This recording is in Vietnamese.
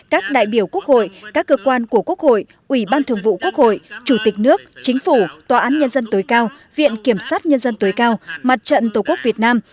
các đại biểu quốc hội các cơ quan của quốc hội ủy ban thường vụ quốc hội chủ tịch nước chính phủ tòa án nhân dân tối cao viện kiểm sát nhân dân tối cao mặt trận tổ quốc việt nam